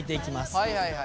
はいはいはい。